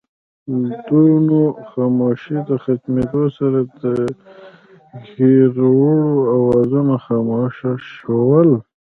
د ونو خاموشۍ د ختمېدو سره دکيرړو اوازونه خاموش شول